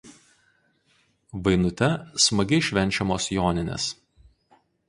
Vainute smagiai švenčiamos Joninės.